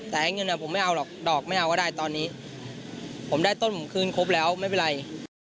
แต่ไอ้เงินผมไม่เอาหรอกดอกไม่เอาก็ได้ตอนนี้ผมได้ต้นผมคืนครบแล้วไม่เป็นไร